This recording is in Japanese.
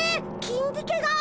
キンディケが！？